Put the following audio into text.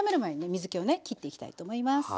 水けをねきっていきたいと思います。